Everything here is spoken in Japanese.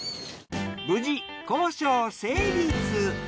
無事交渉成立。